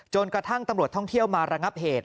กระทั่งตำรวจท่องเที่ยวมาระงับเหตุ